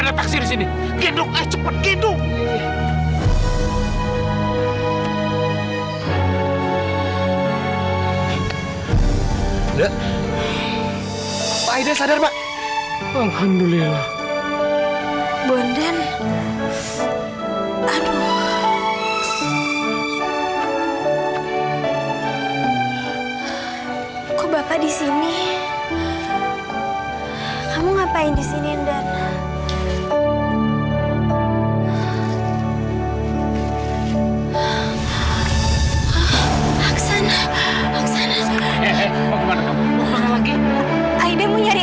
sampai jumpa di video selanjutnya